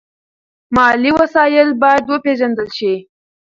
مالي وسایل باید وپیژندل شي.